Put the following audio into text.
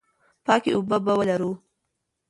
پاکې اوبه به ولرو.